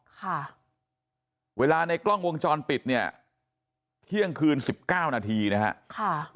ค่ะเวลาในกล้องวงจรปิดเนี่ยเที่ยงคืนสิบเก้านาทีนะฮะค่ะ